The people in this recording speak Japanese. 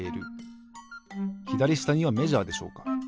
ひだりしたにはメジャーでしょうか。